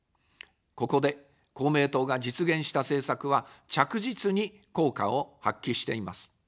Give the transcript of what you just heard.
ここで公明党が実現した政策は、着実に効果を発揮しています。